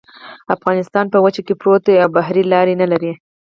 افغانستان په وچه کې پروت دی او بحري لارې نلري